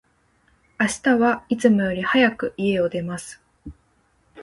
明日は、いつもより早く、家を出ます。